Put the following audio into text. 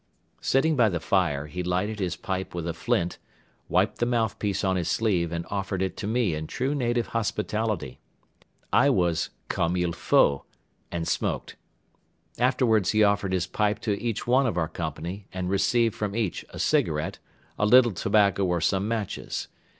Sitting by the fire, he lighted his pipe with a flint, wiped the mouthpiece on his sleeve and offered it to me in true native hospitality. I was "comme il faut" and smoked. Afterwards he offered his pipe to each one of our company and received from each a cigarette, a little tobacco or some matches.